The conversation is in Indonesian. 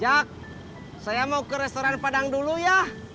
jag saya mau ke restoran padang dulu yah